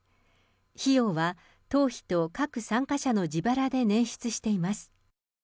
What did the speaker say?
費用は党費と各参加者の自腹で捻出しています。